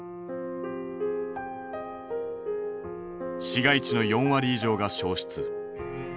市街地の４割以上が焼失。